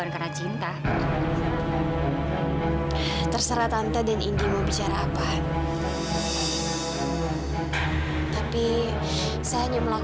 jadi ya terserah kamu mau nerima atau enggak